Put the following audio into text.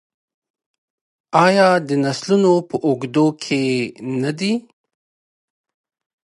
آیا د نسلونو په اوږدو کې نه دی؟